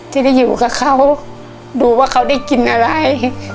ที่ได้อยู่กับเขาดูว่าเขาได้กินอะไร